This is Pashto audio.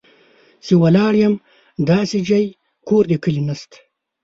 چې ولاړ یم داسې ځای، کور د کلي نه شته